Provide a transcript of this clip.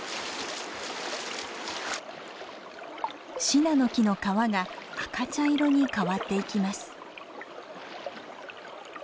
シナノキの皮が赤茶色に変わっていきます。